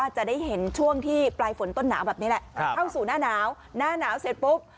จะได้เห็นช่วงที่ปลายฝนต้นหนาวแบบนี้แหละเข้าสู่หน้าหนาวหน้าหนาวเสร็จปุ๊บ